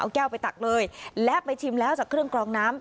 เอาแก้วไปตักเลยและไปชิมแล้วจากเครื่องกรองน้ำ